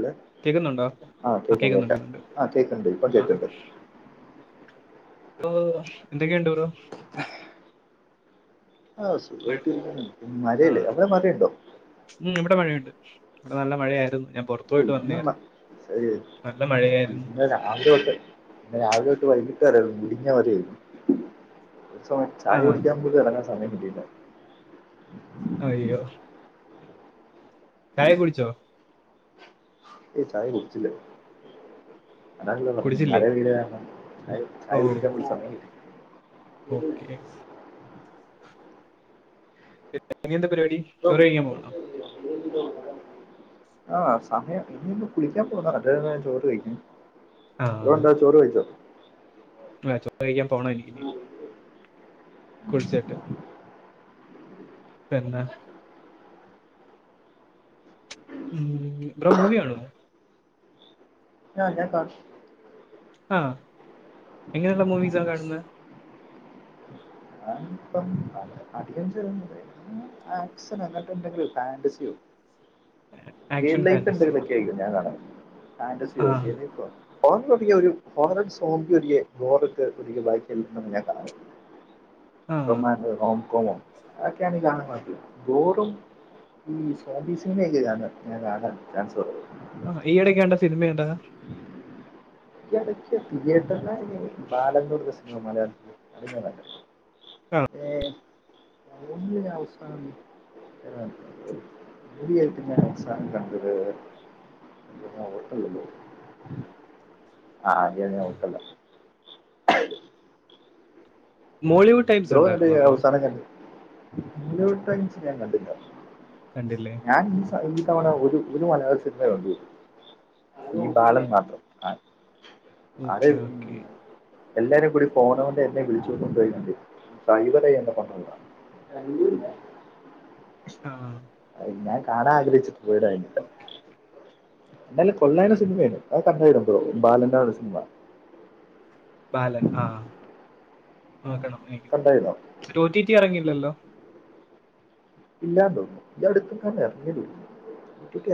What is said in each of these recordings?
ല്ലേ കേക്കുന്നുണ്ടോ ആ കേക്ക കേക്കുന്നുണ്ട് കേക്ക കേക്കുന്നുണ്ട് ആ കേക്കണ്ട് ഇപ്പ ആ കേക്കുണ്ട് ഇപ്പൊ എന്തൊക്കെ ഉണ്ട് ബ്രോ ആഹ മഴ സുബ്ഹിക്ക് എണീക്കണം മഴ ആ യല്ലേ അവിടെ മഴയുണ്ടോ ഉം ഇവിടെ മഴയുണ്ട് ഇവിടെ നല്ല മഴയായിരുന്നു ഞാൻ പുറ [inaudible] മഴയായിരുന്നു ഇന്ന് രാവിലെ തൊട്ടേ രാവിലെ തൊട്ട് വൈകിട്ട് വരായിരുന്നു മുടിഞ്ഞ മഴയായിരുന്നു ആ സമയത്ത് ചായ ആ കുടിക്കാൻ പോലും ഏറങ്ങാൻ സമയം കിട്ടീല്ല. അയ്യോ. ചായ കുടിച്ചോ. ഏയ് ചായ കുടിച്ചില്ലേ. അതാണല്ലോപറഞ്ഞ് കുടിച്ചില്ലേ മഴ പെയ്ത കാരണം ഓ ചായകുടിക്കാൻ പോലും സമയം കിട്ടില്ല. ഓക്കെ.. ഇനിയെന്താ പരിപാടി ഇപ്പം ചോറ്‌ കഴിക്കാൻ പോകുന്നുണ്ടോ ആഹ് സമയം ഇനിയിപ്പം കുളിക്കാൻ പോന്നാ അത് കഴിഞ്ഞാ ചോറ് കഴിക്കണം [inaudible] ആ ബ്രോ എന്താ ചോറ് കൈയിച്ചോ. വേ ചോറ് കഴിക്കാൻ പോണേനിക്കിനി. കുളിചെട്ട്. പെന്ന. ഉം ബ്രോ മൂവി കാണുവോ ഞ ഞാൻ നല്ലോം കാണും. ആ എങ്ങനെയുള്ള മൂവിസാ കാണുന്നത്. [unintelligible] ഫാന്റസിയോ റിയൽ ആക്ഷൻ ലൈഫ് ഫാന്റസി എന്തെങ്കിലും പറ്റി ആയികും ഞാൻ കാണൽ ആ ഫാന്റസിയോ റിയൽ ലൈഫോ.. ഓറ ഒ ഒരു ഹോണർ ഓഫ്‌ സോമ്പി ഒയികെ ഒ [unintelligible] ഒയികെ ബാക്കി എല്ലാം ഞാൻ കാണാറുണ്ട് ആ റൊമാൻ ന്റ് ഹോകോങ്ങും അതൊക്കെയാണെ കാണാൻ കൊഴപ്പമില്ല ഗോറും ഈ സോമ്പീസിന്റെ ഒക്കെ ഞാൻ കാണാൻ ഞാൻ ചാൻസ് കൊറവിണ്ട് ആ ഈ എടെക്ക്‌ കണ്ട സിനിമ ഏതാ ഈ എടക്ക് തിയേറ്റർ [unintelligible] ബാലന്നൂത്പ്രശ്നം മലയാളത്തില് അത് ഞാൻ കണ്ടിരുന്നു. ആ ഏ [unintelligible] അവസാനം [unintelligible] ഞാൻ അവസാനം കണ്ടത്.. അ ഹോട്ടലൊന്ന് പൊ ആദ്യ ഹോട്ടല.. മോളിവുഡ്. ടൈപ്സ് ബ്രോ ഉണ്ടായിരുന്നോ ബ്രോ അത്അവസാനം കണ്ട് [unintelligible] ഞാൻ കണ്ടില്ല കണ്ടില്ലേ ഞാൻ ഈ തവണ ഒരു ഒരു മലയാള സിനിമ കണ്ടുള്ളു ഈ ബാലൻ മാത്രം ആഹ് അത് ഓക്കെ ഓക്കെ എല്ലാരും കൂടി പോണ കൊണ്ട് എന്നെ വിളിച്ചു കൊണ്ട് പോയിരുന്നുണ്ട് സൈബർ ചെയ്യണ കണ്ടിണ്ടാ. [unintelligible] ആഹ് അഹ് ഞാൻ ആഗ്രഹിച്ചിട്ട് പോയതാര്ന്നു.. എന്നാലും കൊള്ളാരുന്ന സിനിമയാണ് ഞാൻ കണ്ടാരുന്ന് ബാലൻ്റെ ആ സിനിമ ബാലൻ ആ നോക്കണം എനിക് കണ്ടായിരുന്നോ ട്ടോ ടി ട്ടി ഇറങ്ങിയിലല്ലോ. ഇല്ലാന്ന് തോന്നുന്നു ഈ അടുത്തെങ്ങാണ്ടാ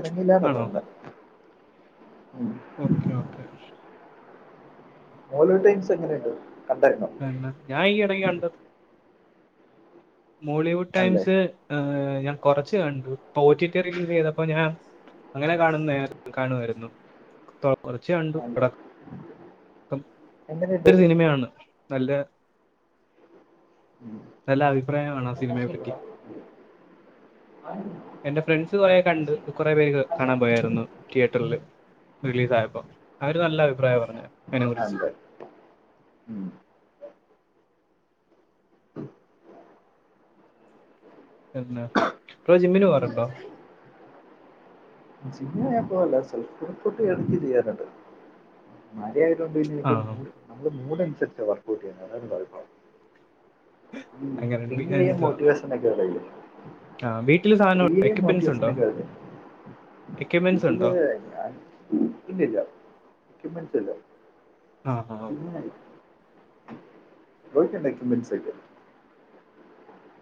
ഇറങ്ങില്ലാന്നാ ആണോ തോന്നണെ ഉം ഓക്കെ. ഓക്കെ. മോലു ടൈംസ് എങ്ങനെയുണ്ട് കണ്ടായിരുന്നോ കണ്ട് ഞാൻ ഈ ഇടയ്ക്ക് കണ്ട് മോളിവുഡ് ആണല്ലേ ടൈംസ് ഹാ ഞാൻ കുറച്ച് കണ്ടു ഓ റ്റി റ്റി റിലീസ് ചെയ്തപ്പോ ഞാൻ അങ്ങനെ കാണുനന്നെ കാണുവായിരുന്ന് കുറച്ച് കണ്ടു പടം മൊത്തം എങ്ങനെയുണ്ട് [unintelligible] സിനിമയാണ് നല്ല ഉം. നല്ല ആ പ്രെയാണോ അതെ സിനിമയെപ്പറ്റി. [unintelligible] എന്റെ ഫ്രണ്ട്സ് കുറേ കണ്ട് കുറേ പേര് കാണാൻ പോയാരുന്നു തിയേറ്ററില് റിലീസയപ്പോ അവര് നല്ല അഭിപ്രായ പറഞ്ഞെ കണ്ട് ഉം എന്നാ ഇപ്പോ ജിമ്മിന് പോവാറുണ്ടോ ജിമ്മില് ഞാൻ പോവല്ല സെൽഫ് വർക്ഔട് ഇടക്ക് ചെയ്യാറുണ്ട്. മഴയാതൊണ്ട് പിന്നെ ആ എനിക്ക് മൂഡ് നമ്മള് മൂടനുസരിച്ചാ വർക്ക്ഔട്ട് ചെയ്യുന്നത് അതാണ് കൊയപ്പം.. ഉം അങ്ങനെ വി- പിന്നെ ഈ ഒരു എന്തുവാ മോട്ടിവേഷൻക്കെ കയ്യും. ആ വീട്ടില് സാധനം ഇത്രേം എക്യുപ്മെന്റ്സ് മൊട്ടിവേഷൻ ഉണ്ടോ ഇങ്ങളെ എക്യുപ്മെന്റ്സ് ഇതിൽ ഉണ്ടോ അ. ഇല്ലില്ല എക്യുമെൻസ് ഇല്ല ആഹ് ആഹ് പിന്നേ [unintelligible] എക്യുയിപ്പെന്റ്സ് [unintelligible]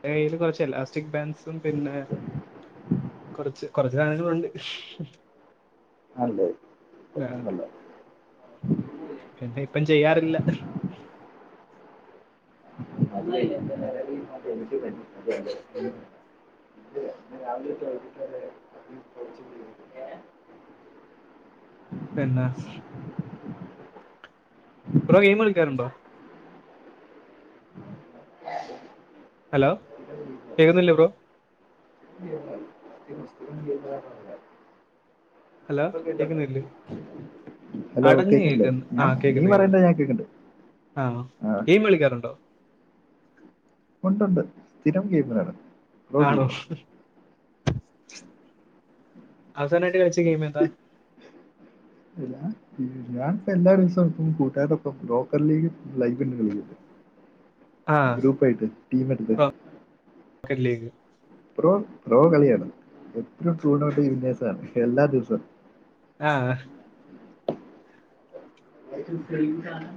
കയ്യില് കുറച്ച് എലാസ്റ്റിക് ബാൻസും പിന്നെ കൊറച്ച് കൊറച്ച് സാധനങ്ങളുണ്ട് ആ, [unintelligible] പിന്നെപ്പം ചെയ്യാറില്ല ഹ്. [unintelligible] എനിക്ക് തന്ന അത [unintelligible] [inaudible] പിന്നെ ബ്രോ ഗെയിം കളിക്കാറുണ്ടോ ഹലോ കേക്കുന്നില്ലേ ബ്രോ [unintelligible] ഹലോ ഇപ്പൊ കേക്കണ്ടോ കേൾക്കുന്നില്ലേ ഹലോ അടഞ്ഞ് കേക്കില്ലേ കേൾക്കുന്നു ആ ഞാൻ നീ കേൾക്കുന്നു കേൾക്കുന്നു പറയണ്ട ഞാൻ കേക്കണ്ട് ആ ആഹ് ഗെയിം കളിക്കാറുണ്ടോ ഉണ്ടുണ്ട് സ്ഥിരം ഗെയിമിലാണ്. ആണോ അവസാനായിട്ട് കളിച്ച ഗെയിം ഏതാ [unintelligible] ഞാനിപ്പം എല്ലാ ദിവസവും ഇപ്പം കൂട്ടുകാരോടൊപ്പം ബ്രോക്കറിലേക്ക് ലൈഫ്ണ്ട് കളിക്കട്ടെ ആ ഗ്രൂപ്പായിട്ട് ടീം എടുത്ത് ക്രിക്കറ്റ് ലീഗ് പ്രോ പ്രോ കളിയാണ് എത്ര ടൂർണമെന്റ് വിന്നേസാണ് എല്ലാ ദിവസവും. ആഹ് അതെ അത് സെയിം സാനം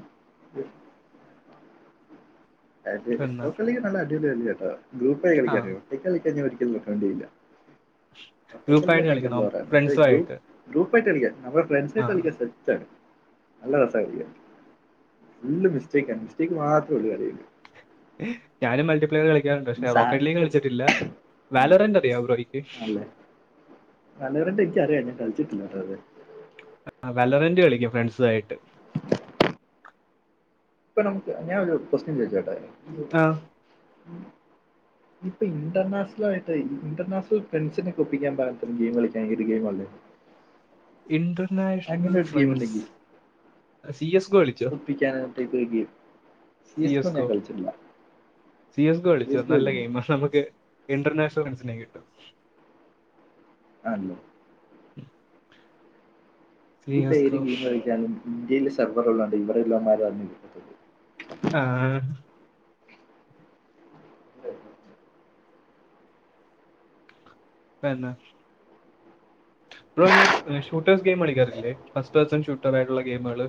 പിന്നെ അത് ശരിയാ [unintelligible] ഗ്രൂപ്പായി ആ കളിക്കാറിയോ ക്ക്‌ക്കളിക്കഞ്ഞ ഒരിക്കലും നിക്കാൻ കഴിയൂല. ഒറ്റക്ക് കളിക്കാൻ ഗ്രൂപ്പായിട്ട് ഭയങ്കര കളിക്കണം ബോറാണ് പക്ഷേ ഗ്രൂപ്പ്. ഫ്രണ്ട്സുമായിട്ട് ഗ്രൂപ്പായിട്ട് കളിക്കാം നമ്മള് ആ ഫ്രണ്ട്സായിട്ട് കളിക്കാം സ നല്ല രസാ ഫുള്ള് മിസ്റ്റേക്കാണ് ആണ് മിസ്റ്റേക്ക് മാത്രമേ ഉള്ളൂ കളി ഞാനും മൾട്ടിപ്ലെയർ കളിക്കാറുണ്ട് ഈ പഷെ സാ റോക്കറ്റ് ലീഗ് കളിച്ചിട്ടില്ല വാലറെണ്ടയാവോ ബ്രോയി.. അല്ലേ. അലോരെന്റെ ഇക്കറിയാം ഞാൻ കൾച്ചിട്ടില്ലട്ടൊ അത്.. ആ വെല്ലറന്റ് കളിക്കും ഫ്രണ്ട്സും ആയിട്ട് ഇപ്പൊ നമുക്ക് ഞാൻ ഒരു ക്യുസ്റ്റ്യൻ ചോദിച്ചോട്ടേ ആഹ് ഇപ്പൊ ഇന്റർനാഷണട്ട് ഇന്റർനാഷണലായിട്ടേ ഇൻഡർനാഷണൽ ഫ്രൻസിനെ ഒപ്പിക്കാൻപാകത്തിന് ഗെയിം കളിക്കാൻ ഏത് ഗെയിമാള്ളത്. ഇന്റർനാഷണൽ ഒരു game friends C S GO വിളിച്ചു.. ഒപ്പിക്കാനായിട്ട് ഒരു [unintelligible] സി എസ് കോ ഞാൻ കളിച്ചിട്ടില്ല സി എസ് കോ കളി ച്ചേനല്ല ഗെയിം ആ നമുക്ക് ഇന്റർനാഷണൽ റൺസിനെ കിട്ടും അലോ. സി എസ് ഇതിപ്പയിൽ ഗോ ഗെയിം കളിക്കാനും ഇന്ത്യയിലെ സർവറുകളള്ളാണ്ട് ഇവിടെയല്ലമാരും അറിഞ്ഞി. ആഹ് [unintelligible] പെന്നെ ബ്രോ ഇങ്ങനെ ഷൂട്ടേഴ്സ് ഗെയിം കളിക്കാറില്ലേ ഫസ്റ്റ് പേഴ്സൺ ഷുട്ടർായിട്ടുള്ള ഗെയിമാള്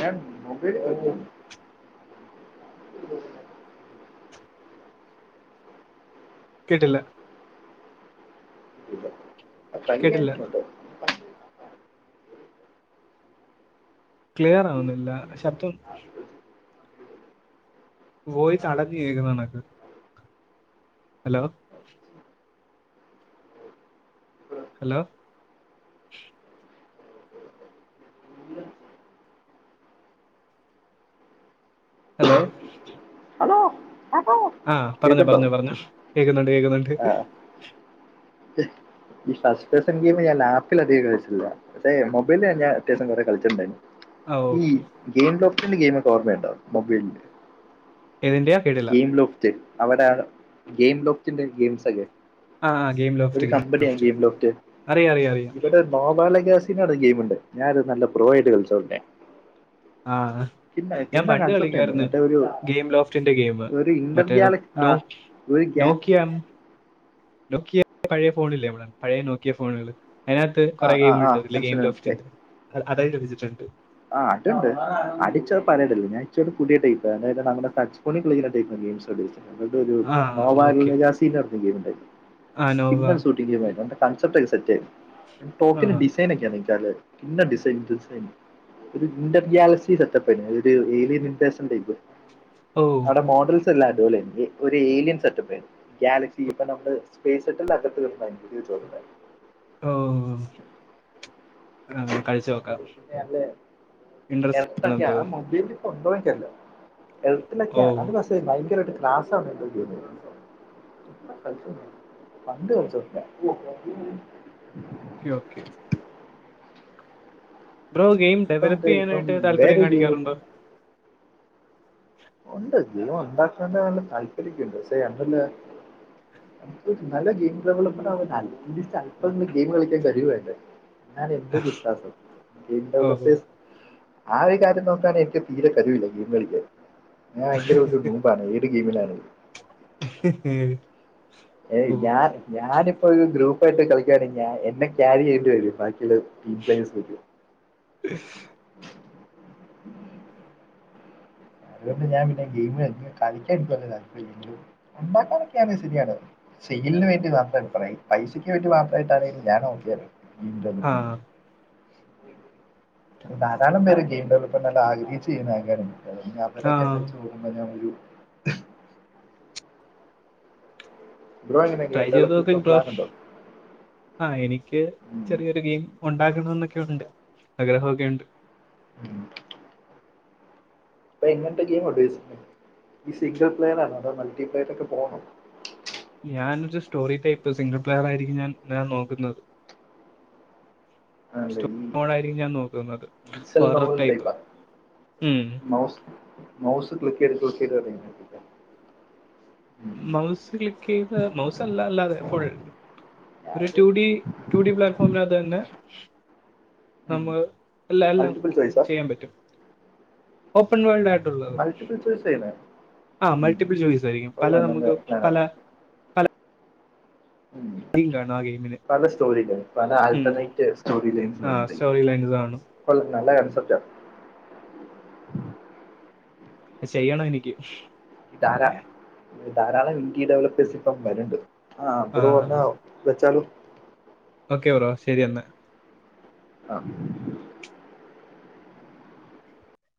ഞാൻ മൊബൈൽ കളിക്കും.. കേട്ടില്ല കേട്ടില്ല [unintelligible] ക്ലിയറാവുന്നില്ല ശബ്ദം വോയിസ് അടഞ്ഞ് കേക്ക്ന്ന കണെക്ക് ഹലോ ഹലോ [unintelligible] ഹലോ ഹലോ അപോ ആഹ് പറഞ്ഞോ പറഞ്ഞോ പറഞ്ഞോ കേക്കുന്നുണ്ട് കേക്കുന്നുണ്ട് ആ, ഈ ഫസ്റ്റ് പേസൺ ഗെയിം ഞാൻ ലാപ്പില്ല് അധികം കളിച്ചില്ല അതേ മൊബൈൽ ഞാൻ ഞാ അത്യാവശ്യം കൊറെ കൾച്ച്ട്ട് ഇണ്ടായിരുന്നു ആഹ് ഈ ഓക്കെ ഗെയിം ലോക്കറിന്റെ ഗെയിമൊക്കെ ഓർമ്മയുണ്ടോ മൊബൈലിന്റെ ഏതിന്റെയാ കേട്ടില്ല ഗെയിം ലോഫ്ത്ത് അവരാണ് ഗെയിം ലോഫ്ത്തിന്റെ ഗെയിംസാെക്കെ ആ ഗെയിംലോ ഒര് കമ്പനിയാ ഗീം ലോക്റ്റ് അറിയാം ഇവടെ ഗോബാല ഗാസിനോ പർണ ഗെയിമ് ഇണ്ട് ഞാ അത് നല്ല പ്രൊ ആയിട്ട് കൾച്ചോട്ടെ ആഹ് ഞാൻ പിന്നെ പണ്ട് കൺസെപ്റ്റ് ഉണ്ട് കളിക്കാര്ന്ന് മറ്റേ ഒരു ഗെയിം ലോഫ്റ്റിന്റെ ഗെയിമ് ഒരു ഇന്റർ മറ്റേ ഗ്യാല ആ നോ ഒരു ഗ്യാ നോക്കിയാം നോക്കിയ പഴെ ഫോണില്ലെ നമ്മ്ടെ പഴെ നോക്കിയ ഫോണ്കൾ അതിന് അകത്ത് ആ കൊറെ ആ ഗെയിംമുകെൾ ആ ഇണ്ട് ഇല്ലെയ് ഗെയിമ് മനസ്സിലായി മനസ്സിലായി ലോസ്റ്റ് ഇണ്ട് അത് അതായി ലഭിച്ചിട്ട് ഇണ്ട് ആ അത്ണ്ട് അടിച്ചത് പഴയ ടൈപ്പ് ഞാൻച്ചൂട പുതിയ ടയിപ്പ് നമ്മുടെ ടച് ഫോണി കളിക്കണ ഗെയിംസ് ഇവടൊരു ആഹ് നോവാ ഓക്കെ യൂണി യാസീനർഞ്ഞ പേര്ണ്ടായിരുന്നു. ആഹ് നോവ പിന്നത് [unintelligible] കൺസെപ്റ്റ് ഒരു സെറ്റ് ടോപ്പിന് ആഹ് ഡിസൈൻ ഒക്കെയാ നക്കാല് പിന്നെ ഡിസൈൻ ഡിസൈൻ ഒര് ഇന്റെർഗാലക്സി സെറ്റപ്പ് എയ്ര്ന്നു ഒര് ഏലിലിമിറ്റേഷെൻ ടൈപ്പ് ഓ അവ്ടെ മോഡെൽ തെല്ലാം അടി പേളിയാര്ന്ന് ഒരുഏലിയൻ സെറ്റപ്പ് ഗാലക്സി ഇപ്പൊ നമ്മള് സ്പേസ്സെട്ട അറ്റത്ത് [unintelligible] ഓഹ് അതാ വേം കൾച്ച് നോക്കാം ഇൻട്രസ്റ്റ് ആണെന്ന് തോന്നുന്നു പ്പൊണ്ടോ എൻക്കറീല ഹെൽത്ത്ലെക്കെ ഓ [unintelligible] ഭയങ്കരമായിട്ട് ക്ളാസ് [unintelligible] കളിച്ച പണ്ട് കളിച്ച [unintelligible] ക്കെ ഓക്കെ ബ്രോ ഗെയിം ഇപ്പം മറ്റേ ഡെവലപ്പ് ഇപ്പം യ്യാനായിട്ട് താൽപര്യം വേറൊരു ഗെയിം കാണിക്കാറുണ്ടോ ഇപ്പം ഉണ്ട് ജീവം ഉണ്ടാക്കാ നല്ല താൽപര്യൊക്കേണ്ട് പക്ഷേ അതല്ല നല്ല ഗെയിം [unintelligible] ഗെയിം കളിക്കാൻ കഴിവ് വേണ്ടേ ഞൻ എന്റെ വിശ്വാസം ഓ ഓ ന്റെഉള്ള്ത്തിസ് ആ ഒരു കാര്യം നോക്കാൻ എനിക്ക് തീരെ കരുവില്ല ഞാൻ ഭയെങ്കെര ഒരു നൂമ്പാണ് ഏത് ഗെയ്മിലാണ് ഹ് ഹ് ഹ് ഏയ് ഞാൻ ഞാനിപ്പ അഹ് ഗ്രൂപ്പായിട്ട് കളിക്കാണെങ്കി ഞാ എന്നെ ക്യാരി ചെയ്യേണ്ടി വെരും ബാക്കിയുള്ളോര് ടീംപ്ലേസ് പറ്റോ? അതുകൊണ്ട് ഞാൻ പിന്നെ ഗെയിമ് കളിക്കാൻതാൽപര്യം ല്ല ഉണ്ടാക്കാനൊക്കെ ശരിയാണ് സെയിലിന് വേണ്ടി മാത്രായിട്ട് പറയ് പൈസക്ക് വേണ്ടി മാത്രായിട്ടാണെങ്കി ഞാൻ ഓക്കെ ആണ് [unintelligible] ആഹ് ഉ [inaudible] ധാരാളം പേര് ഗെയിം ഡെലപ്പ്മെന്റ് ആഗഹിച്ച് ചെയ്യുന്ന അവരൊക്കെ ആഹ് വച്ചു നോകുമ്പോ ഞാൻ ഒരു ബ്രോ എങ്ങനെ ഗെയിം ട്രൈചെയ്ത് ഡെവലപ്പ് നോക്ക് ഇപ്പം ബ്രോ പ്ലാൻ ഉണ്ടോ ആഹ് എനിക്ക് ചെറിയൊര് ഗെയിം ഒണ്ടാക്കണം എന്നൊക്കെ ഉണ്ട് ആഗ്രഹം ഒക്കെ ഉണ്ട് ഉം ഇപ്പൊ ഇങ്ങനത്തെ ഗെയിം ഈ സിംഗിൾ പ്ലെയർ ആണോ അതോ മൾട്ടിപ്ലെയർ ഒക്കെ പോകണോ ഞാനൊരു സ്റ്റോറി ടൈപ്പ് സിംഗിൾ പ്ലെയറായിരിക്കും ഞാൻ ഞാൻ നോക്ക്ന്നത് ആണല്ലേ സ്റ്റോറി മോഡായിരിക്കും ഞാൻ നോക്കുന്നത്. ഹൊറർ [unintelligible] ടൈപ്പ് ടൈപ്പാ ഉം മൗസ് മൗസ് ക്ലിക്കെയ്ത് ക്ലിക്കെത് [unintelligible] മൗസ്ക്ലിക്കെയ്ത മൗസല്ല അല്ലാതെ ഫുൾ ഒര് ഞാനത് റ്റൂ ഡി റ്റൂ ഡീ പ്ലാറ്റ്ഫോമിനകത്ത് തന്നെ നമ്മള് എല്ല എല്ലാം മൾട്ടിപ്പിൾ ചോയ്സാ ചെയ്യാൻ പറ്റും ഓപ്പൺ വേൾഡ് വേ മൾട്ടിപ്പിൾ ചോയ്സ് ചെയ്യുന്നത് ആഹ് മൾട്ടിപ്പിൾ ജോയിസായിരിക്കും പല കൊള്ളാം നല്ല നമ്ക്ക് പല പ്ലാനാണ് തീം കാണും ആ ഗെയിമിന്. പല സ്റ്റോറിണ്ട് പല ഉം ആൾട്ടർനേറ്റ് സ്റ്റോറി ലൈംസ് ആഹ് [unintelligible] സ്റ്റോറി ലൈൻസ് കാണും. കൊള്ളാം നല്ല കൺസെപ്പ്റ്റാ അഹ് ചെയ്യണം എനിക്ക് ധാരാ ധാരാളം ഇന്ത്യാ ഡെവലപ്പേഴ്സ് ഇപ്പം വര്ണ്ട് ആഹ് അവര് വന്നാ വെച്ചാലും ഓക്കെ ബ്രോ ശെരി എന്നാ അം